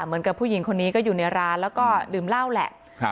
เหมือนกับผู้หญิงคนนี้ก็อยู่ในร้านแล้วก็ดื่มเหล้าแหละ